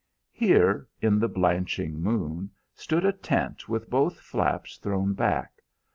Here, in the blanching moon, stood a tent with both flaps thrown back.